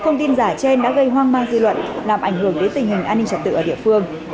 ngân giải trên đã gây hoang mang di luận làm ảnh hưởng đến tình hình an ninh trật tự ở địa phương